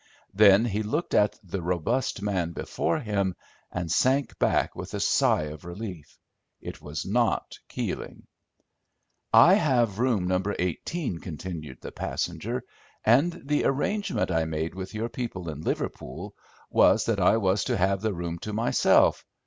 Then he looked at the robust man before him, and sank back with a sigh of relief. It was not Keeling. "I have room No. 18," continued the passenger, "and the arrangement I made with your people in Liverpool was that I was to have the room to myself.